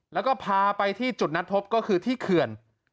แล้วก็พาไปที่จุดนัดพบก็คือที่เขื่อน